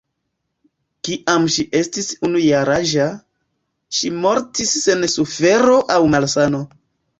Kiam ŝi estis unu jaraĝa, ŝi mortis sen sufero aŭ malsano.